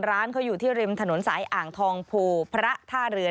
ร้านเขาอยู่ที่ริมถนนสายอ่างทองโพพระท่าเรือ